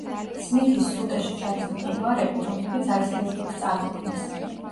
სმითის სრუტეში ჩადის მყინვარები, რომლებიც აისბერგებს წარმოქმნის.